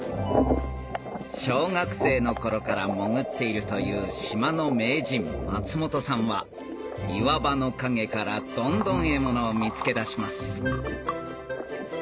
小学生の頃から潜っているという島の名人松本さんは岩場の陰からどんどん獲物を見つけ出します